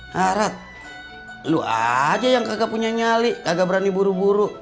harap lo saja yang tidak punya nyali tidak berani buru buru